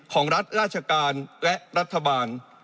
ของรัฐราชการและรัฐบาล